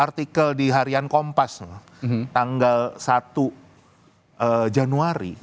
artikel di harian kompas tanggal satu januari